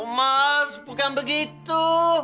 oh mas bukan begitu